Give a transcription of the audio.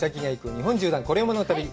日本縦断コレうまの旅」。